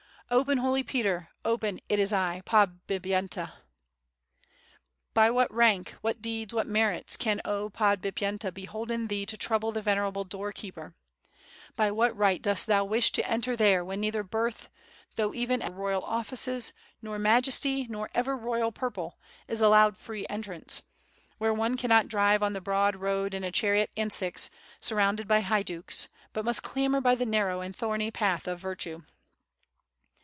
'Open, Holy Peter, open, it is I, Podbip yenta.' '' But what rank, what deeds, what merits, can 0 Podbip yenta bolden thee to trouble the venerable door keeper? By what right dost thou wish to enter there when neither birth, though even as high as thine, nor senatorial dignity, nor royal offices, nor majesty, nor ever royal purple, is allowed free entrance; where one cannot drive on the broad road in a chariot and six, surrounded by haiduks, but must clamber by the narrow and thorny path of virtue?"